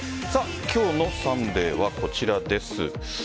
今日の「サンデー」はこちらです。